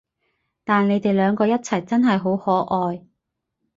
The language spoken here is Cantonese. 但你哋兩個一齊真係好可愛